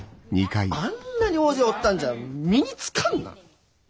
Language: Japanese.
あんなに大勢おったんじゃ身につかんな。